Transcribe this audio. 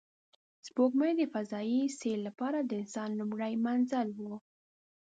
سپوږمۍ د فضایي سیر لپاره د انسان لومړی منزل و